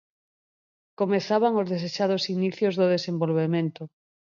Comezaban os desexados inicios do desenvolvemento.